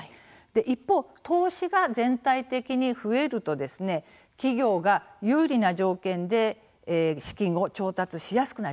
一方、投資が全体的に増えると企業が有利な条件で資金を調達しやすくなります。